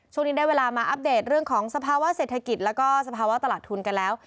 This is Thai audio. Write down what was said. ช่วงนี้ได้เวลามาอัปเดตเรื่องของสภาวะเศรษฐกิจแล้วก็สภาวะตลาดทุนกันแล้ว